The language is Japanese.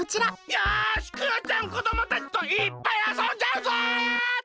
よしクヨちゃんこどもたちといっぱいあそんじゃうぞ！